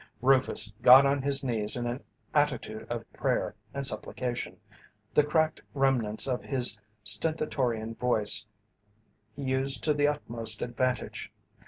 Rufus got on his knees in an attitude of prayer and supplication. The cracked remnants of his stentorian voice he used to the utmost advantage.